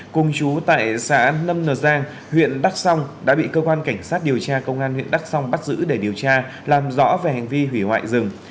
cùng chú tại xã nâm nờ giang huyện đắk sông đã bị cơ quan cảnh sát điều tra công an huyện đắk sông bắt giữ để điều tra làm rõ về hành vi hủy hoại rừng